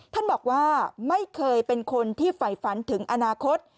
ท่านบอกว่าไม่เคยเป็นคนที่ฝ่ายฝันถึงอนาคต